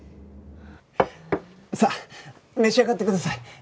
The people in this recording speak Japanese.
さあ召し上がってください。